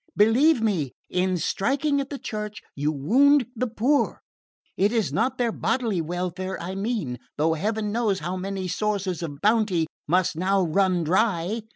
Believe me, in striking at the Church you wound the poor. It is not their bodily welfare I mean though Heaven knows how many sources of bounty must now run dry!